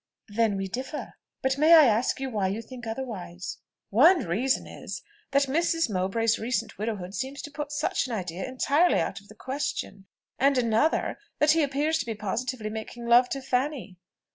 "Then we differ. But may I ask you why you think otherwise?" "One reason is, that Mrs. Mowbray's recent widowhood seems to put such an idea entirely out of the question; and another, that he appears to be positively making love to Fanny."